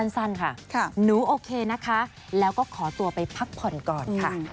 สั้นค่ะหนูโอเคนะคะแล้วก็ขอตัวไปพักผ่อนก่อนค่ะ